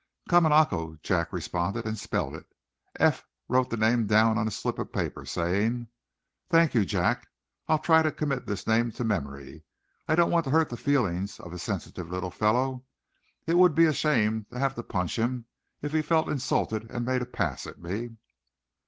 "Kamanako," Jack responded, and spelled it. Eph wrote the name down on a slip of paper, saying: "Thank you, Jack. I'll try to commit this name to memory. I don't want to hurt the feelings of a sensitive little fellow. It would be a shame to have to punch him if he felt insulted and made a pass at me."